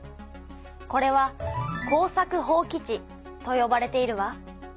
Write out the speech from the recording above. これは耕作放棄地とよばれているわ。